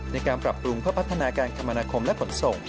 ในการปรับปรุงเพื่อพัฒนาการคมนาคมและขนส่ง